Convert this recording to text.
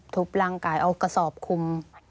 ร่างกายเอากระสอบคุม